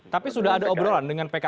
tapi sudah ada obrolan dengan pks pak